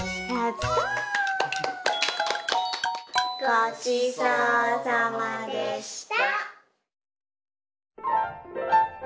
ごちそうさまでした！